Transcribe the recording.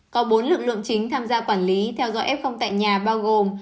có bốn lực lượng chính tham gia quản lý theo dõi f tại nhà bao gồm